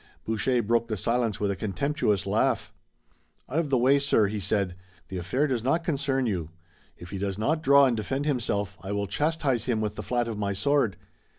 Boucher broke the silence with a contemptuous laugh. "Out of the way, sir," he said. "The affair does not concern you. If he does not draw and defend himself I will chastise him with the flat of my sword."